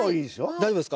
大丈夫です。